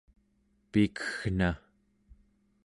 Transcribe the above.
pikeggna